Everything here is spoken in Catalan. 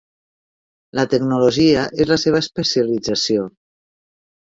La tecnologia és la seva especialització.